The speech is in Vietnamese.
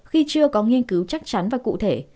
khi chưa có nghiên cứu chắc chắn và cụ thể